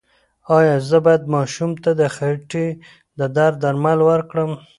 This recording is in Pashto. ایا زه باید ماشوم ته د خېټې د درد درمل ورکړم؟